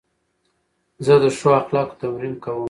زه د ښو اخلاقو تمرین کوم.